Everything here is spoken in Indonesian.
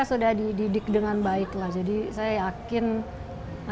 namun baru kali ini lea dapat terjun langsung untuk berkolaborasi bersama mereka